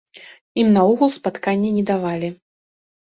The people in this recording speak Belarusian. Ім наогул спатканні не давалі.